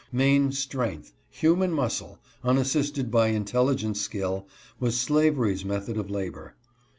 Main strength — human muscle — unas sisted by intelligent skill, was slavery's method of labor.